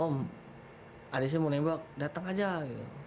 om adek saya mau nembak datang aja gitu